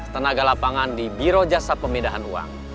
tenaga lapangan di biro jasa pemindahan uang